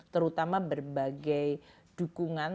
terutama berbagai dukungan